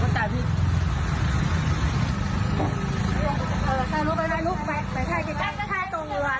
ตาคุณแม่มันไม่ได้ไปไหลลูกแม่ไม่ได้ไปไหล